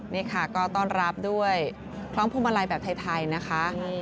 นี่ค่ะก็ต้อนรับด้วยคล้องพวงมาลัยแบบไทยนะคะ